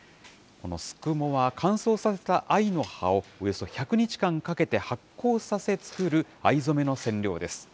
このすくもは、乾燥させた藍の葉をおよそ１００日間かけて発酵させ作る藍染めの染料です。